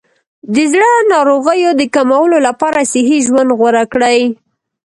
د زړه ناروغیو د کمولو لپاره صحي ژوند غوره کړئ.